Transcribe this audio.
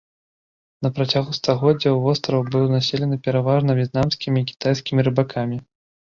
На працягу стагоддзяў востраў быў населены пераважна в'етнамскімі і кітайскімі рыбакамі.